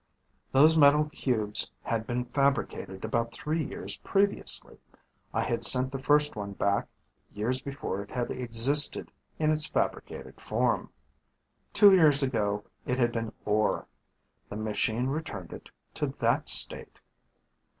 Those metal cubes had been fabricated about three years previously. I had sent the first one back years before it had existed in its fabricated form. Ten years ago it had been ore. The machine returned it to that state.